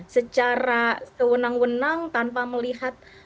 secara kewenang wenang tanpa melihat